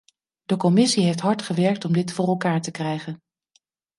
De commissie heeft hard gewerkt om dit voor elkaar te krijgen.